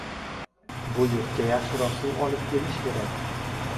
Bu yurtga yaxshiroq suv olib kelish kerak.